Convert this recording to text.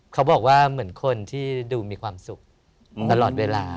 เขาบอกว่าเหมือนคนที่ดูมีความสุขตลอดเวลา